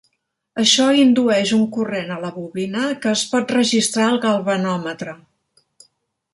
Això indueix un corrent a la bobina que es pot registrar al galvanòmetre.